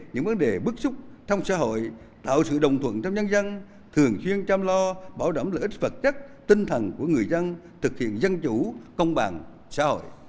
những vấn đề bức xúc trong xã hội tạo sự đồng thuận trong nhân dân thường chuyên chăm lo bảo đảm lợi ích vật chất tinh thần của người dân thực hiện dân chủ công bằng xã hội